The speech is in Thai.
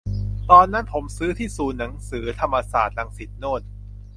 ตอนนั้นผมซื้อที่ศูนย์หนังสือธรรมศาสตร์ รังสิตโน่น